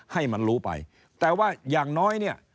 ให้มันรู้ไปแต่ว่าอย่างน้อยเนี่ย